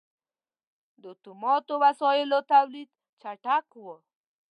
• د اتوماتو وسایلو تولید چټک و.